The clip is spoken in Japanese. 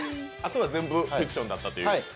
あとは全部フィクションだったという？